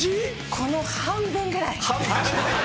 この半分ぐらい！